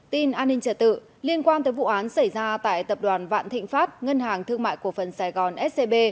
tin an ninh trả tự liên quan tới vụ án xảy ra tại tập đoàn vạn thịnh pháp ngân hàng thương mại cổ phần sài gòn scb